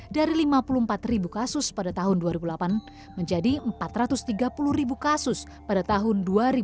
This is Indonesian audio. dari lima puluh empat ribu kasus pada tahun dua ribu delapan menjadi empat ratus tiga puluh ribu kasus pada tahun dua ribu dua puluh